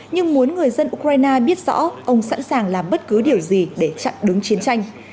nhưng muốn người dân ukraine biết rõ ông sẵn sàng làm bất cứ điều gì để chặn đứng chiến tranh